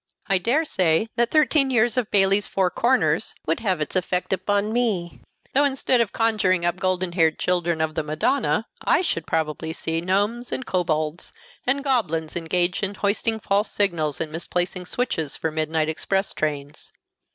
I dare say that thirteen years of Bayley's Four Corners would have its effect upon me; though instead of conjuring up golden haired children of the Madonna, I should probably see gnomes and kobolds, and goblins engaged in hoisting false signals and misplacing switches for midnight express trains.